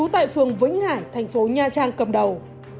tại phường vĩnh hải thành phố nha trang cầm đầu